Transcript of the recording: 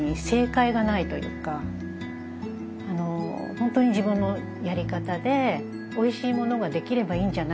本当に自分のやり方でおいしいものができればいいんじゃない？